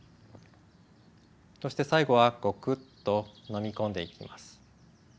そして最後はゴクッと飲み込んでいきます。